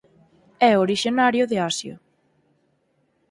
É orixinario de Asia.